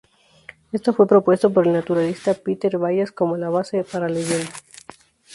Esto fue propuesto por el naturalista Peter Pallas como la base para la leyenda.